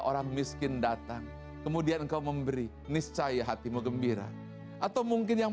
berjaya bahagia bahagia kemudian tiara kemudian angry niscaya hatimu gembira atau mungkin yang